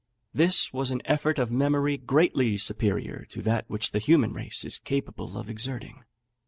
This was an effort of memory greatly superior to that which the human race is capable of exerting."